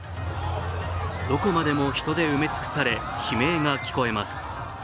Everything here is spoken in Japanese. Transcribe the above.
どこまでも人で埋め尽くされ悲鳴が聞こえます。